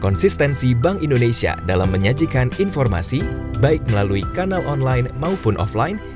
konsistensi bank indonesia dalam menyajikan informasi baik melalui kanal online maupun offline